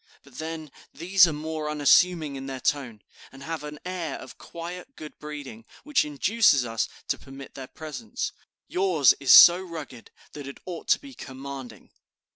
But then, these are more unassuming in their tone, and have an air of quiet good breeding, which induces us to permit their presence. Yours is so rugged that it ought to be commanding."